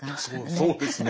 そうですね。